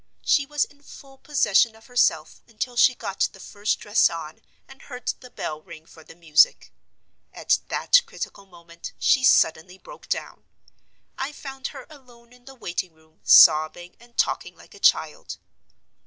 She was in full possession of herself until she got the first dress on and heard the bell ring for the music. At that critical moment she suddenly broke down. I found her alone in the waiting room, sobbing, and talking like a child.